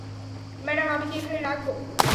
Madam, আমি কি এখানে রাখবো?